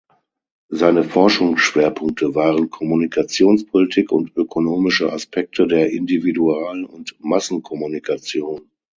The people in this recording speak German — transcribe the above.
Seine Forschungsschwerpunkte waren Kommunikationspolitik und ökonomische Aspekte der Individual- und Massenkommunikation.